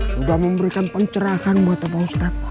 sudah memberikan pencerahan buat bapak ustadz